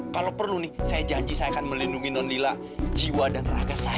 kalau perlu nih saya janji saya akan melindungi nonila jiwa dan raga saya